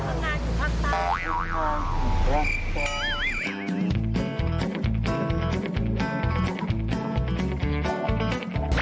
ทำงานอยู่ภาคใต้